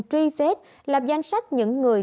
truy vết lập danh sách những người